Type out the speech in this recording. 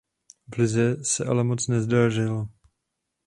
V lize se ale moc nedařilo.